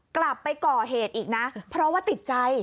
กลับไปก่อเหตุอีกนะเพราะว่าติดใจ